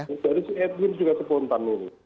dari edwin juga sepontan ini